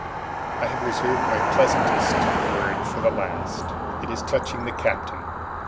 I have reserved my pleasantest word for the last. It is touching the Captain.